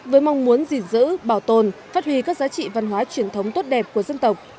với mong muốn gìn giữ bảo tồn phát huy các giá trị văn hóa truyền thống tốt đẹp của dân tộc